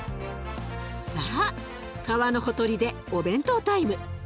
さあ川のほとりでお弁当タイム。